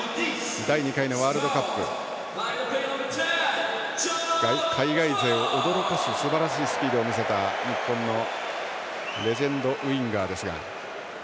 第２回のワールドカップ海外勢を驚かすすばらしいスピードを見せた日本のレジェンドウィンガーですが。